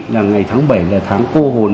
là ngày tháng bảy là tháng cô hồn